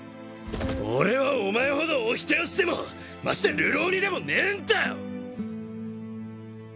俺はお前ほどお人よしでもまして流浪人でもねえんだよ！